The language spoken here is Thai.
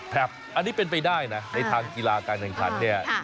อันนี้เป็นไปได้นะในทางกีฬาการแข่งขันเนี่ย